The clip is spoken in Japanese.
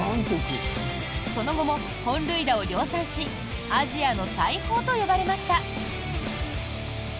その後も本塁打を量産しアジアの大砲と呼ばれました。